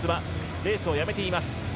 レースをやめています。